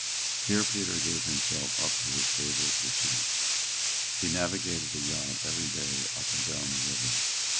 Here Peter gave himself up to his favourite pursuits. He navigated a yacht every day up and down the river.